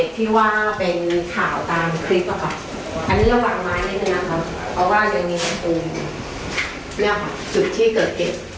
อันนี้ระหว่างมานิดหนึ่งนะครับเพราะว่าอย่างนี้เนี่ยค่ะสุขที่เกิดเก็บ